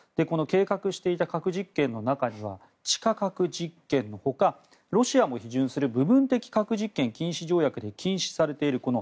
計画していた核実験の中には地下核実験のほかロシアも批准する部分的核実験禁止条約で禁止されている